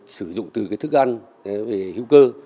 sử dụng từ thức ăn hiệu cơ